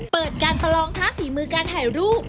เปิดการประลองทักฝีมือการถ่ายรูป